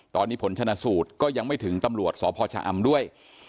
ตอนนี้ผลชนะสูตรก็ยังไม่ถึงตำรวจสพชะอำด้วย